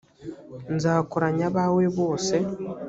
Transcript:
nzakoranya abawe bose